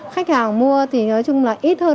khách hàng mua thì nói chung là ít hơn